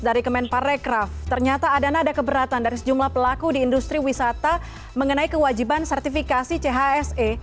dari kemenparekraf ternyata ada nada keberatan dari sejumlah pelaku di industri wisata mengenai kewajiban sertifikasi chse